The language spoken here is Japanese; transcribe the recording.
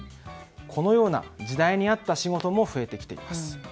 このような時代に合った仕事も増えてきています。